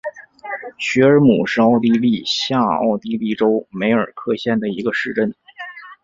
许尔姆是奥地利下奥地利州梅尔克县的一个市镇。